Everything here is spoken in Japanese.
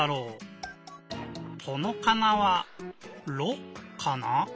このかなは「ろ」かな？